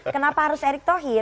kenapa harus erik thohir